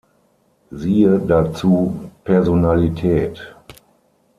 Siehe dazu Personalität.